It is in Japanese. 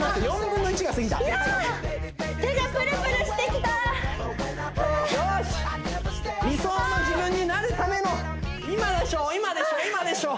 ４分の１が過ぎたよーし理想の自分になるための今でしょ